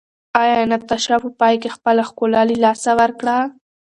ایا ناتاشا په پای کې خپله ښکلا له لاسه ورکړه؟